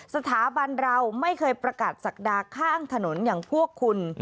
สถาบันเราไม่เคยประกาศศักดาข้างถนนอย่างพวกคุณ